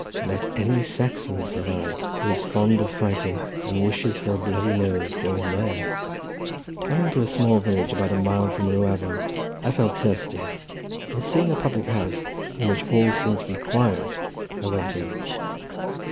"Let any Saxon," said I, "who is fond of fighting, and wishes for a bloody nose, go in there." Coming to the small village about a mile from Rhiwabon, I felt thirsty, and seeing a public house, in which all seemed to be quiet, I went in.